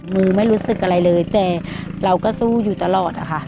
มือไม่รู้สึกอะไรเลยแต่เราก็สู้อยู่ตลอดอะค่ะ